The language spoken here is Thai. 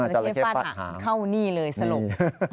จราเกฟฟันหาเท่านี้เลยสรุป